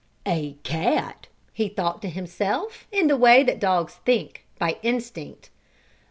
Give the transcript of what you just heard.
"A cat!" he thought to himself, in the way that dogs think, by instinct.